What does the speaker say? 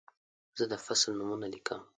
زه د فصل نومونه لیکم.